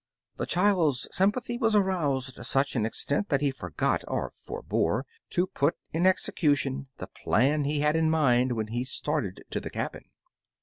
The child's sympathy was aroused to such an extent that he forgot or forbore to put in execution the plan he had in mind when he started to the cabin.